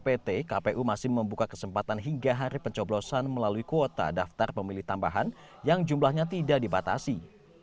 pt kpu masih membuka kesempatan hingga hari pencoblosan melalui kuota daftar pemilih tambahan yang jumlahnya tidak dibatasi